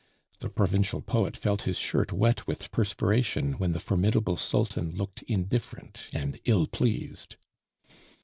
The provincial poet felt his shirt wet with perspiration when the formidable sultan looked indifferent and ill pleased.